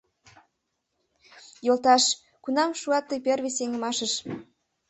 Йолташ, кунам шуат тый первый сеҥымашыш